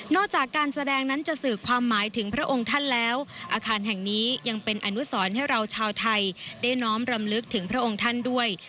จากการแสดงนั้นจะสื่อความหมายถึงพระองค์ท่านแล้วอาคารแห่งนี้ยังเป็นอนุสรให้เราชาวไทยได้น้อมรำลึกถึงพระองค์ท่านด้วย